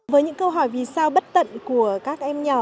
với những câu hỏi vì sao bất tận của các em nhỏ